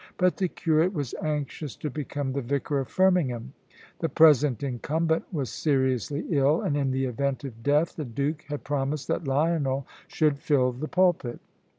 But the curate was anxious to become the vicar of Firmingham. The present incumbent was seriously ill, and in the event of death the Duke had promised that Lionel should fill the pulpit.